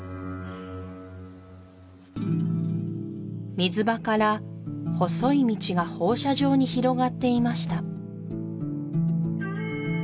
水場から細い道が放射状に広がっていました